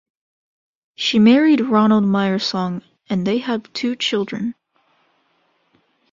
She married Ronald Mayersohn, and they have two children.